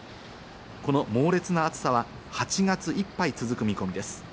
この猛烈な暑さは８月いっぱい続く見込みです。